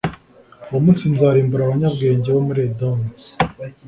uwo munsi nzarimbura abanyabwenge bo muri edomu